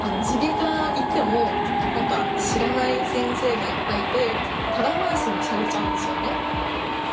耳鼻科行っても、なんか知らない先生がいっぱいいて、たらい回しにされちゃうんですよね。